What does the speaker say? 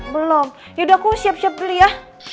belom yaudah aku siap siap dulu ya